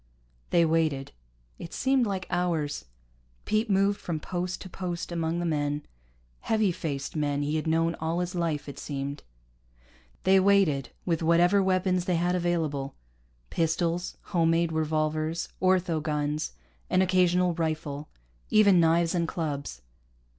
They waited. It seemed like hours. Pete moved from post to post among the men, heavy faced men he had known all his life, it seemed. They waited with whatever weapons they had available pistols, home made revolvers, ortho guns, an occasional rifle, even knives and clubs.